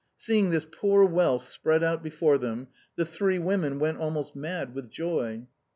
Seeing this poor wealth spread out before them, the three women went almost mad with joy.